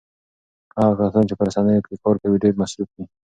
هغه کسان چې په رسنیو کې کار کوي ډېر مصروف وي.